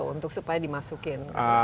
untuk supaya dimasukin